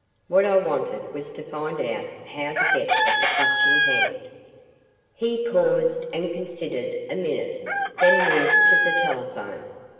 What I wanted was to find out how to get at the Clutching Hand." He paused and considered a minute, then moved to the telephone.